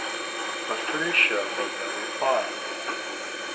But Ferruccio made no reply.